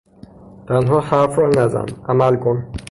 تنها حرف را نزن - عمل کن!